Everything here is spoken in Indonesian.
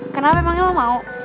kenapa emangnya lo mau